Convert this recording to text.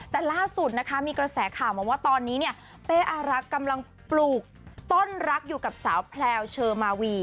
แต่ล่าสุดนะคะมีกระแสข่าวมาว่าตอนนี้เนี่ยเป้อารักษ์กำลังปลูกต้นรักอยู่กับสาวแพลวเชอมาวี